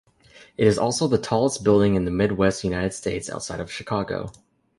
It is also the tallest building in the Midwest United States outside of Chicago.